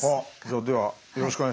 ではよろしくお願いします。